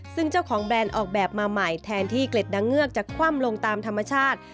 ซึ่งเจ้าของแบรนด์ออกแบบมาใหม่แทนที่เกล็ดดังเงือกจะคว่ำลงตามธรรมชาติ